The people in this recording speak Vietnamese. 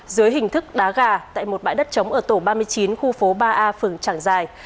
dưới hình thức đá gà tại một bãi đất trống ở tổ ba mươi chín khu phố ba a phường trảng giài